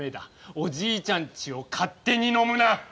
おじいちゃんちを勝手に飲むな！